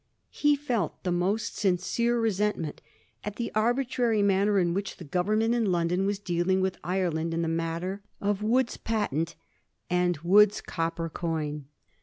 He felt the most sincere resentment at the arbitrary manner in which the Government in London were dealing with Ireland in the matter of Wood's patent and Wood's copper coin.